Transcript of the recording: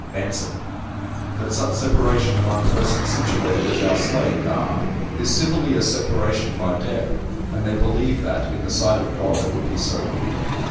Answer: "That such separation among persons situated as our slaves are, is civilly a separation by death; and they believe that, in the sight of God, it would be so viewed.